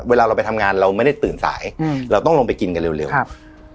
เวลาเราไปทำงานเราไม่ได้ตื่นสายอืมเราต้องลงไปกินกันเร็วครับ